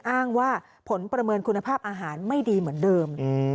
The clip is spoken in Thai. อ้างว่าผลประเมินคุณภาพอาหารไม่ดีเหมือนเดิม